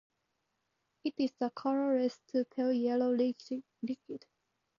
It is a colorless to pale yellow liquid.